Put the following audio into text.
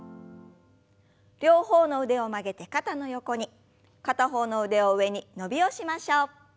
両方の腕を曲げて肩の横に片方の腕を上に伸びをしましょう。